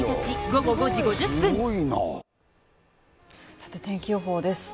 続く天気予報です